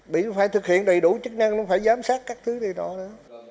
bị phải thực hiện đầy đủ chức năng nó phải giám sát các thứ gì đó nữa